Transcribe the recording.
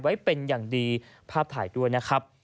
ไว้เป็นอย่างดีภาพถ่ายด้วยนะครับ